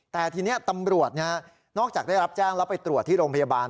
แต่ทีนี้ตำรวจนอกจากได้รับแจ้งแล้วไปตรวจที่โรงพยาบาล